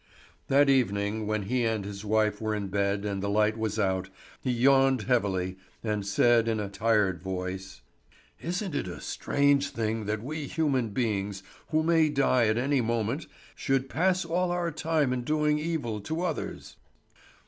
That evening, when he and his wife were in bed and the light was out, he yawned heavily, and said in a tired voice: "Isn't it a strange thing that we human beings, who may die at any moment, should pass all our time in doing evil to others?"